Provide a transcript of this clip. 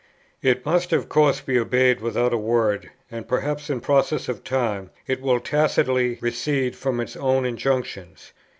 It must of course be obeyed without a word, and perhaps in process of time it will tacitly recede from its own injunctions.